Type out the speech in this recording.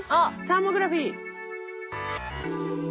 サーモグラフィー！